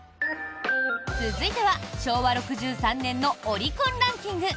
続いては、昭和６３年のオリコンランキング！